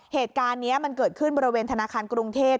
เหตุการณ์นี้มันเกิดขึ้นบริเวณธนาคารกรุงเทพ